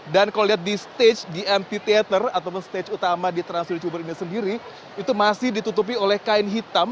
dan kalau dilihat di stage di mt theater atau stage utama di trans studio cibubur ini sendiri itu masih ditutupi oleh kain hitam